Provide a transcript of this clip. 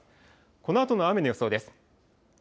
このあとの雨の予想です。